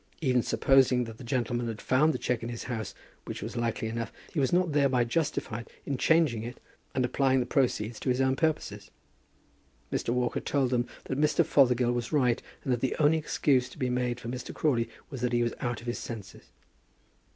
Even supposing that the gentleman had found the cheque in his house, which was likely enough, he was not thereby justified in changing it, and applying the proceeds to his own purposes. Mr. Walker told them that Mr. Fothergill was right, and that the only excuse to be made for Mr. Crawley was that he was out of his senses.